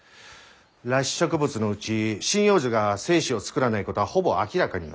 裸子植物のうち針葉樹が精子を作らないことはほぼ明らかになった。